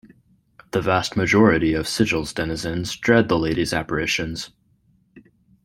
The vast majority of Sigil's denizens dread the Lady's apparitions.